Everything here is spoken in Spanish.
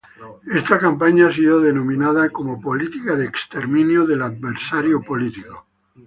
Esta campaña ha sido denominada como "política de exterminio del adversario político".